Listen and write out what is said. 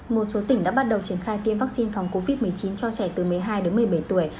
một số tỉnh đã bắt đầu triển khai tiêm vaccine phòng covid một mươi chín cho trẻ từ một mươi hai đến một mươi bảy tuổi